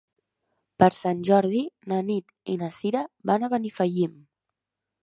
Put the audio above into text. Per Sant Jordi na Nit i na Sira van a Benifallim.